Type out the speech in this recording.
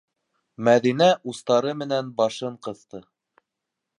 - Мәҙинә устары менән башын ҡыҫты.